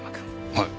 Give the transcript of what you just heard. はい。